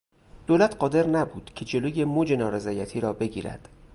دولت قادر نبود که جلو موج نارضایتی را بگیرد.